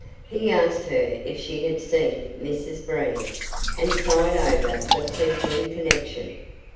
He asked her if she had seen Mrs Breen, and sighed over that plebeian connection.